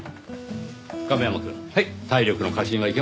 亀山くん体力の過信はいけませんねぇ。